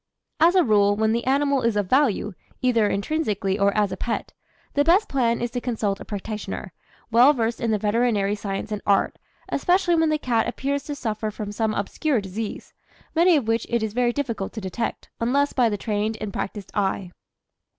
As a rule, when the animal is of value, either intrinsically or as a pet, the best plan is to consult a practitioner, well versed in the veterinary science and art, especially when the cat appears to suffer from some obscure disease, many of which it is very difficult to detect, unless by the trained and practised eye.